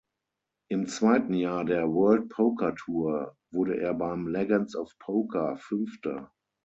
Im zweiten Jahr der "World Poker Tour" wurde er beim "Legends of Poker" Fünfter.